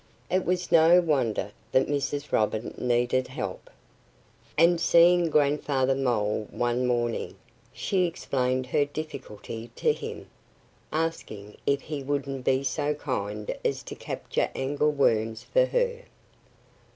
It was no wonder that Mrs. Robin needed help. And seeing Grandfather Mole one morning, she explained her difficulty to him, asking if he wouldn't be so kind as to capture angleworms for her.